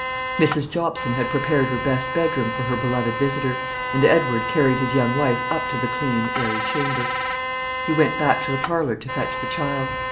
Mrs. Jobson had prepared her best bedroom for her beloved visitor, and Edward carried his young wife up to the clean, airy chamber. He went back to the parlour to fetch the child.